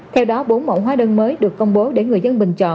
theo đó bốn mẫu hóa đơn mới được công bố để người dân bình chọn